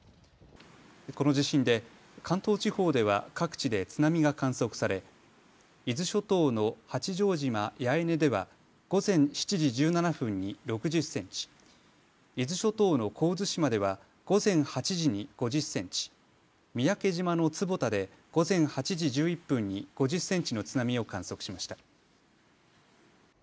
この地震で関東地方では各地で津波が観測され伊豆諸島の八丈島八重根では午前７時１７分に６０センチ、伊豆諸島の神津島では午前８時に５０センチ、三宅島の坪田で午前８時１１分に５０センチの津波を観測しました。